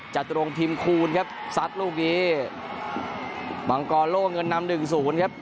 จตุรงพิมพ์คูณครับซัดลูกนี้มังกรโล่เงินนำหนึ่งศูนย์ครับ